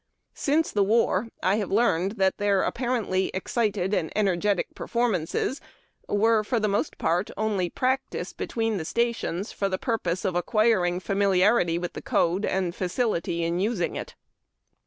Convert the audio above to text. Since the war, I have learned that their ap2:)arently excited and energetic performances were, for the most part, only practice between stations for the purpose of acquiring familiarity with the code, and facility in using it.